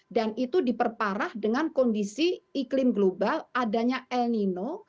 dan itu diperparah dengan kondisi iklim global adanya el nino